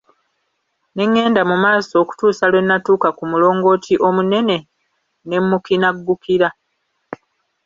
Ne nnenda mu maaso okutuusa lwe natuuka ku mulongooti omunene ne mmukinaggukira.